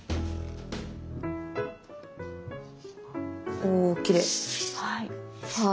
おきれい。